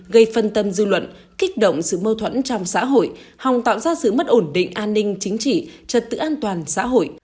gây phân tâm dư luận kích động sự mâu thuẫn trong xã hội hòng tạo ra sự mất ổn định an ninh chính trị trật tự an toàn xã hội